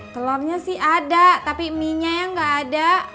telurnya sih ada tapi mienya yang gak ada